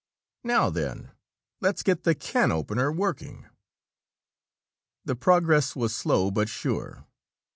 "Now then, let's get the can opener working." The progress was slow but sure.